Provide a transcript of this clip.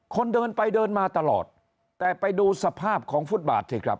คนเดินไปเดินมาตลอดแต่ไปดูสภาพของฟุตบาทสิครับ